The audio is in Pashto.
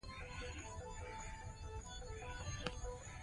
زه غواړم له سونا وروسته لږ انعطاف تجربه کړم.